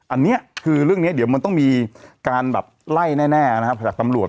อันนี้คือเรื่องนี้เดี๋ยวมันต้องมีการแบบไล่แน่นะครับจากตำรวจ